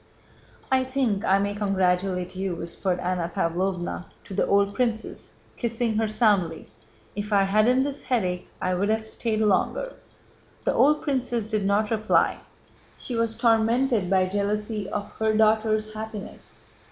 "I think I may congratulate you," whispered Anna Pávlovna to the old princess, kissing her soundly. "If I hadn't this headache I'd have stayed longer." The old princess did not reply, she was tormented by jealousy of her daughter's happiness.